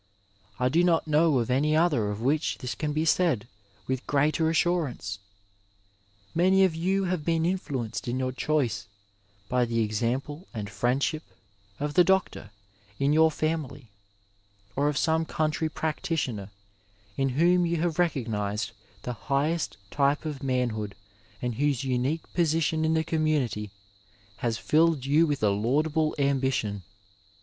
I do not know of any other of which this can be said with greater assurance. Many of you have been influenced in your choice by the example and friendship of the doctor in your 211 ^. Digitized by VjOOQIC AFTER TWENTY FIVE TEARS family, or of some cotintxy practitioner in whom you have recognized the highest type of manhood and whose unique position in the community has filled you with a laudable ambition.